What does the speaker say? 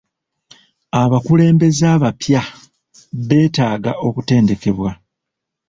Abakulembeze abapya beetaaga okutendekebwa.